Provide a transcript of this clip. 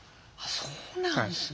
そうなんですね。